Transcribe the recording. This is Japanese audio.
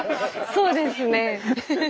そうですね。